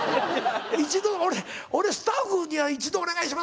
一度俺スタッフに「一度お願いします。